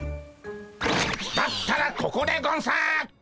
だったらここでゴンス！